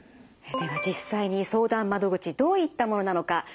では実際に相談窓口どういったものなのか取材しました。